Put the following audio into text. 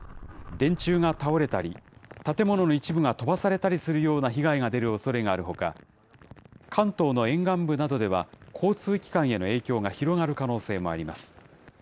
電柱が倒れたり、建物の一部が飛ばされたりするような被害が出るおそれがあるほか、関東の沿岸部などでは、交通機関への影響が広がる可能性もあります。